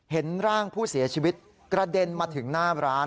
เห็นร่างผู้เสียชีวิตกระเด็นมาถึงหน้าร้าน